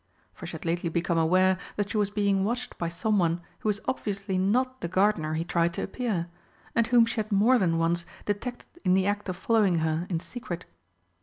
For she had lately become aware that she was being watched by someone who was obviously not the gardener he tried to appear, and whom she had more than once detected in the act of following her in secret.